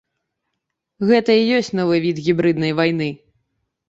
Гэта і ёсць новы від гібрыднай вайны.